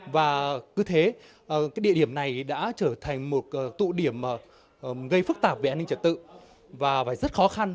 và cứ thế địa điểm này đã trở thành một tụ điểm gây phức tạp về an ninh trật tự và phải rất khó khăn